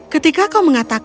ketika kau mengatakan